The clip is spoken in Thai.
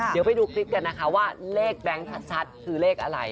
เดี๋ยวไปดูคลิปกันนะคะว่าเลขแบงค์ชัดคือเลขอะไร